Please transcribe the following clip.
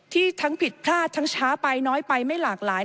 ทั้งผิดพลาดทั้งช้าไปน้อยไปไม่หลากหลาย